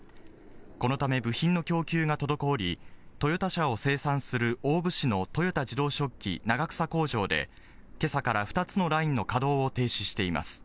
このため部品の供給が滞り、トヨタ車を生産する、大府市の豊田自動織機長草工場で、けさから２つのラインの稼働を停止しています。